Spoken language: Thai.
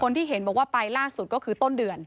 ที่เห็นบอกว่าไปล่าสุดก็คือต้นเดือน